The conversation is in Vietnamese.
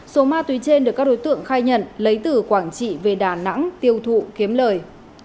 số ma túy trên được các đối tượng khai nhận lấy từ quảng trị về đà nẵng tiêu thụ kiếm lời